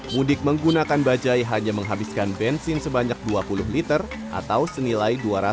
mudik menggunakan bajai hanya menghabiskan bensin sebanyak dua puluh liter atau senilai dua ratus